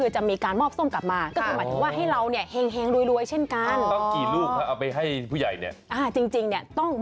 ใช่ค่ะแต่อย่างน้อยกว่านั้น